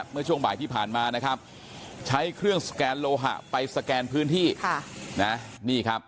เมื่อช่วงบ่ายที่ผ่านมานะครับใช้เครื่องสแกนโลหะไปสแกนพื้นที่